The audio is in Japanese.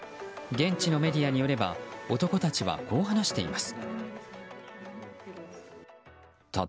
現地のメディアによれば男たちはこう話しています。